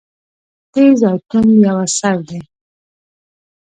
تېز او توند یو اثر دی.